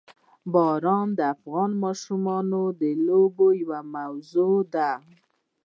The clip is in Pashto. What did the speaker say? باران د افغان ماشومانو د لوبو یوه موضوع ده.